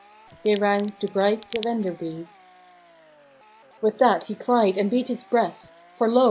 " They rang " The Brides of Enderby !" With that he cried and beat his breast; For lo